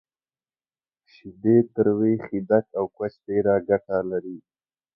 شیدې، تروی، خیدک، او کوچ ډیره ګټه لری